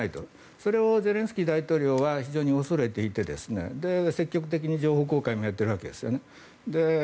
それをゼレンスキー大統領は非常に恐れていて積極的に情報公開もやっているわけですね。